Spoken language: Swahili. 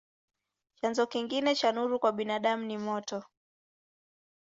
Chanzo kingine cha nuru kwa binadamu ni moto.